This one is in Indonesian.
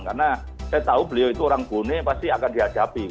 karena saya tahu beliau itu orang bone pasti akan dihadapi